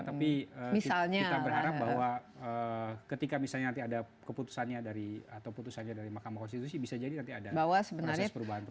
tapi kita berharap bahwa ketika misalnya nanti ada keputusannya dari makam konstitusi bisa jadi nanti ada proses perubahan